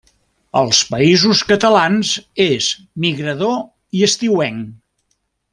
Als Països Catalans és migrador i estiuenc.